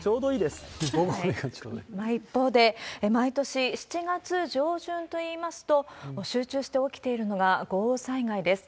一方で、毎年７月上旬といいますと、集中して起きているのが豪雨災害です。